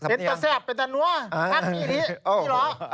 เป็นตาแซ่บเป็นตานั้ว